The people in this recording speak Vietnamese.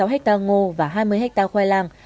một mươi sáu ha ngô và hai mươi ha khoai lang